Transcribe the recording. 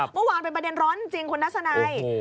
เมื่อวานเป็นประเด็นร้อนจริงคุณทัศนัย